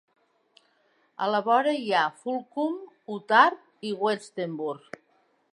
A la vora hi ha Fulkum, Utarp i Westerbur.